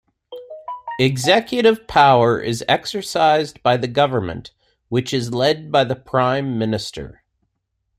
Executive power is exercised by the Government which is led by the Prime Minister.